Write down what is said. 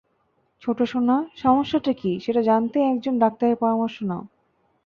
ছোট সোনা, সমস্যাটা কি সেটা জানতে একজন ডাক্তারের পরামর্শ নাও।